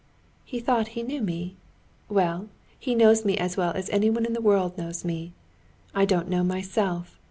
"He thought he knew me. Well, he knows me as well as anyone in the world knows me. I don't know myself.